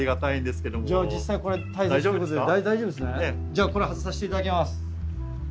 じゃあこれ外させて頂きます。